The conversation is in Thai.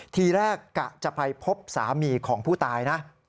ทีแรกกะจะไปพบสามีของผู้ตายนะ